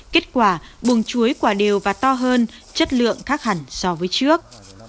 kết quả buồng chuối quả đều và to hơn chất lượng khác hẳn so với trước